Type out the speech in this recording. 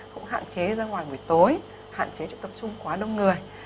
cũng hạn chế ra ngoài buổi tối hạn chế tập trung quá đông người